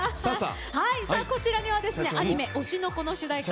こちらにはアニメ「推しの子」の主題歌